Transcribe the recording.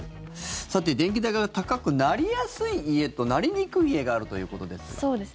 さて電気代が高くなりやすい家となりにくい家があるということですが。